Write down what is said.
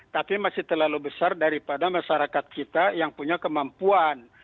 tapi masih terlalu besar daripada masyarakat kita yang punya kemampuan